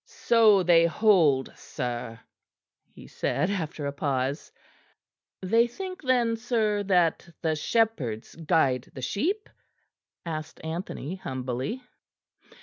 "So they hold, sir," he said after a pause. "They think then, sir, that the shepherds guide the sheep?" asked Anthony humbly.